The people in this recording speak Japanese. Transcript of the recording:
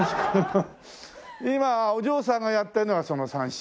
今お嬢さんがやってるのはその三線。